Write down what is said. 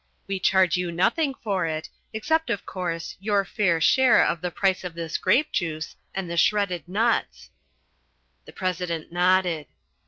We charge you nothing for it, except of course your fair share of the price of this grape juice and the shredded nuts." The President nodded.